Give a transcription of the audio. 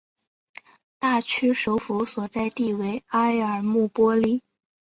大区首府所在地为埃尔穆波利。